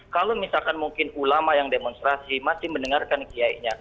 kalau misalkan mungkin ulama yang demonstrasi masih mendengarkan kiainya